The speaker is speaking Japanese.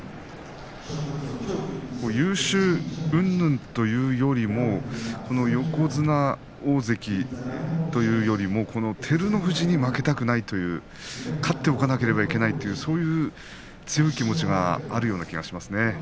優勝うんぬんというよりは横綱、大関というよりも照ノ富士に負けたくないという勝っておかなければいけないというそういう強い気持ちがあるような気がしますね。